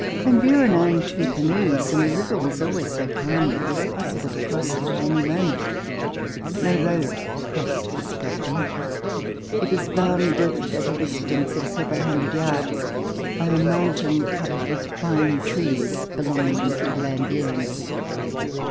Van Buren owned two canoes, and the river was always so calm that it was possible to cross it at any moment. No road crossed this prop erty. It was bounded at a distance of several hundred yards by a mountain covered with fine trees belong ing to the Van Burens.